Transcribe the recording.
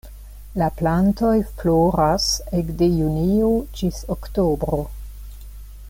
La plantoj floras ekde junio ĝis oktobro.